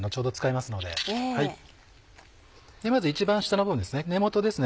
まず一番下の部分ですね